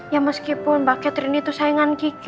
ya meskipun mbak ketri ini tuh sayangan kiki